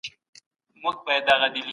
افغان ښوونکي د لوړو زده کړو پوره حق نه لري.